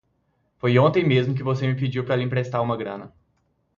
Foi ontem mesmo que você me pediu para lhe emprestar uma grana.